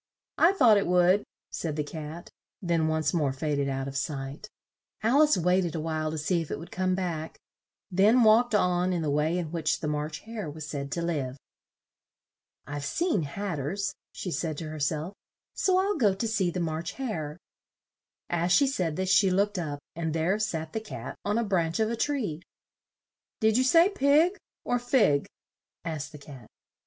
"I thought it would," said the Cat, then once more fa ded out of sight. Al ice wait ed a while to see if it would come back, then walked on in the way in which the March Hare was said to live. "I've seen Hat ters," she said to her self; "so I'll go to see the March Hare." As she said this, she looked up, and there sat the Cat on a branch of a tree. "Did you say pig, or fig?" asked the Cat.